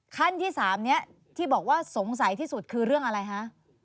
ขั้นที่๓นี้ที่บอกว่าสงสัยที่สุดคือเรื่องอะไรคะ